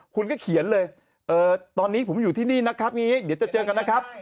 คุณก็เขียนเลยตอนนี้ผมอยู่ที่นี่นะครับอย่างนี้เดี๋ยวจะเจอกันนะครับ